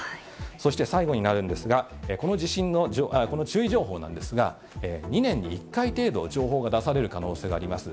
そして、最後になるんですが、この注意情報なんですが、２年に１回程度、情報が出される可能性があります。